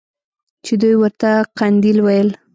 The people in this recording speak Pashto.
چې دوى ورته قنديل ويل.